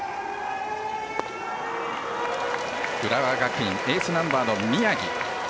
浦和学院、エースナンバーの宮城。